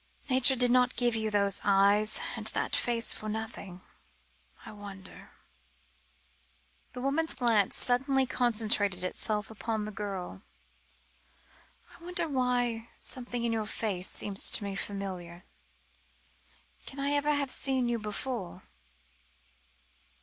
Nature did not give you those eyes, and that face for nothing. I wonder " the woman's glance suddenly concentrated itself upon the girl. "I wonder why something in your face seems to me familiar. Can I ever have seen you before?"